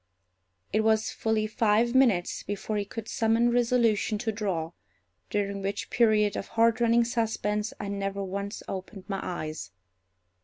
It was fully five minutes before he could summon resolution to draw, during which period of heartrending suspense I never once opened my eyes.